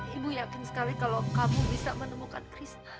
ibu yakin sekali kalau kamu bisa menemukan chris